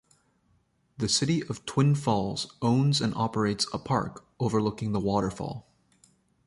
The City of Twin Falls owns and operates a park overlooking the waterfall.